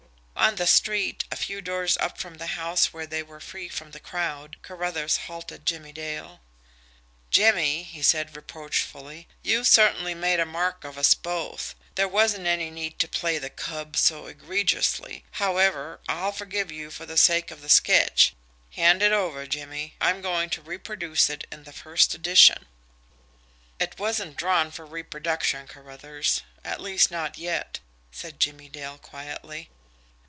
On the street, a few doors up from the house where they were free from the crowd, Carruthers halted Jimmie Dale. "Jimmie," he said reproachfully, "you certainly made a mark of us both. There wasn't any need to play the 'cub' so egregiously. However, I'll forgive you for the sake of the sketch hand it over, Jimmie; I'm going to reproduce it in the first edition." "It wasn't drawn for reproduction, Carruthers at least not yet," said Jimmie Dale quietly.